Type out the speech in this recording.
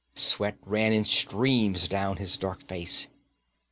Sweat ran in streams down his dark face.